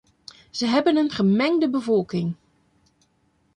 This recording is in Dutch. Ze hebben een gemengde bevolking.